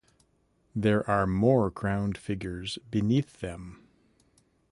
There are more crowned figures beneath them.